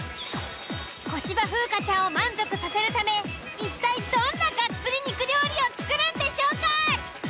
小芝風花ちゃんを満足させるため一体どんなガッツリ肉料理を作るんでしょうか？